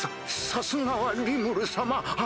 さすがはリムル様！